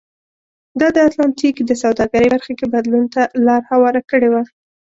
دا د اتلانتیک کې د سوداګرۍ برخه کې بدلون ته لار هواره کړې وه.